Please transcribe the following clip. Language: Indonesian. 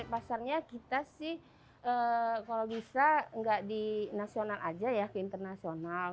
pasarnya kita sih kalau bisa nggak di nasional aja ya ke internasional